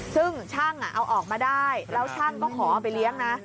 ซึ่งช่างเอาออกมาได้แล้วช่างก็ขอเอาไปเลี้ยงนะ